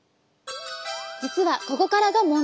実はここからが問題。